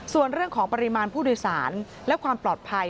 ส่วนเรื่องของปริมาณผู้โดยสารและความปลอดภัย